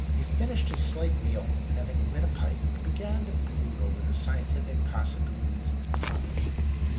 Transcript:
He finished his slight meal, and having lit a pipe, began to brood over the scientific possi bilities of the problem.